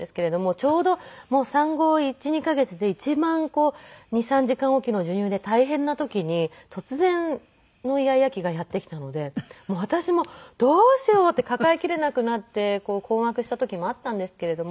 ちょうど産後１２カ月で一番こう２３時間置きの授乳で大変な時に突然のイヤイヤ期がやってきたので私もどうしようって抱えきれなくなって困惑した時もあったんですけれども。